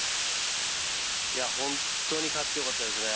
本当に勝ってよかったですね。